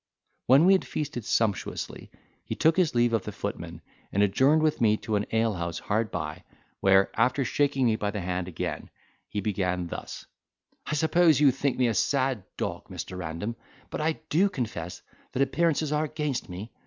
When we had feasted sumptuously, he took his leave of the footman, and adjourned with me to an ale house hard by, where, after shaking me by the hand again, he began thus: "I suppose you think me a sad dog, Mr. Random, and I do confess that appearances are against me.